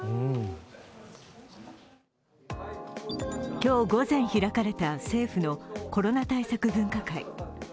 今日午前開かれた、政府のコロナ対策分科会。